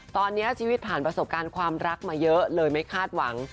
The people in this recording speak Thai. ตอนนี้ชีวิตผ่านประสบการณ์ความรักมาเยอะเลยไม่คาดหวัง